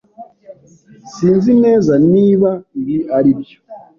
Sinzi neza niba ibi aribyo.